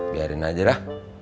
biarin aja dah